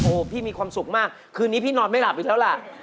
โอ้โหพี่มีความสุขมากคืนนี้พี่นอนไม่หลับอีกแล้วล่ะ